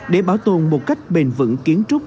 để bảo tồn một cách bền vững kiến trúc